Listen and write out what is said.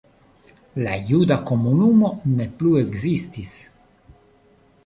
La juda komunumo ne plu ekzistis.